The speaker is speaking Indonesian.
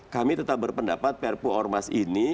kami tetap berpendapat perpu ormas ini